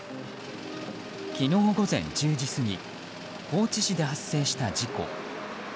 昨日午前１０時過ぎ高知市で発生した事故。